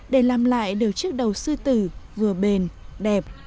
để làm lại được chiếc đầu sư tử vừa bền đẹp